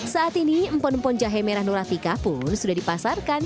saat ini empon empon jahe merah nuratika pun sudah dipasarkan